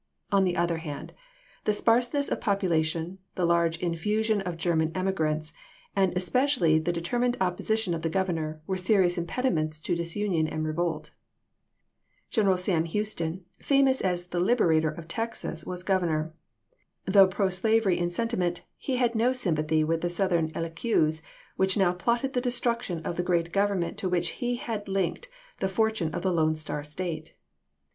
On the other hand, the sparseness of pop ulation, the large infusion of Grerman emigrants, and especially the determined opposition of the Governor, were serious impediments to disunion and revolt. General Sam Houston, famous as the liberator of Texas, was Governor. Though pro slavery in sen timent, he had no sympathy with the Southern cliques which now plotted the destruction of the great Government to which he had linked the for tune of the Lone Star State.